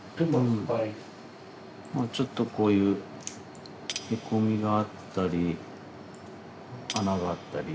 ちょっとこういうへこみがあったり穴があったり。